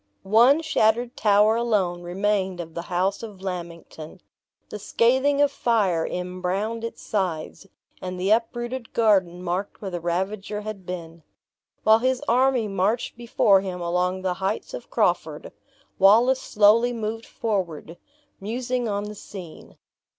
One shattered tower alone remained of the house of Lammington. The scathing of fire embrowned its sides, and the uprooted garden marked where the ravager had been. While his army marched before him along the heights of Crawford, Wallace slowly moved forward, musing on the scene.